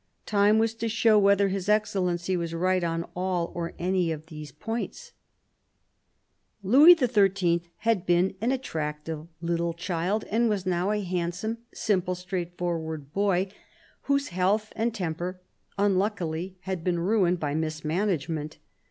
Time was to show whether his Excellency was right on all or any of these points. Louis Xin. had been an attractive little child, and was now a handsome, simple, straightforward boy, whose health and temper, unluckily, had been ruined by mismanagement.